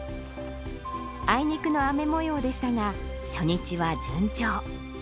あいにくの雨もようでしたが、初日は順調。